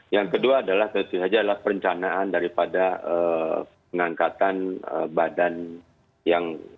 yang kedua adalah tentu saja adalah perencanaan daripada pengangkatan badan yang